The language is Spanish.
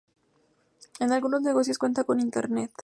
En al algunos negocios cuenta con internet.